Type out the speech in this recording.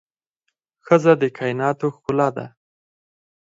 ښځه د کائناتو ښکلا ده